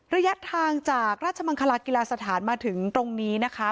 ระยะทางจากราชมังคลากีฬาสถานมาถึงตรงนี้นะคะ